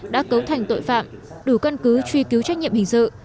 đã cấu thành tội phạm đủ cân cứ truy cứu trách nhiệm hình dự